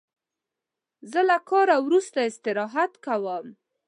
زه له کاره وروسته استراحت کوم.